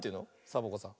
サボ子さん。